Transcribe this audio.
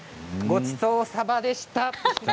ごちそうサバでした。